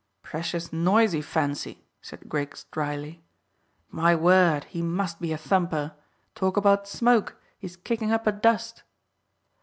"Precious noisy fancy," said Griggs dryly. "My word, he must be a thumper! Talk about smoke, he is kicking up a dust."